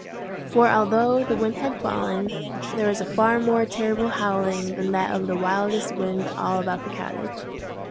For although the wind had fallen, there was a far more terrible howling than that of the wildest wind all about the cottage.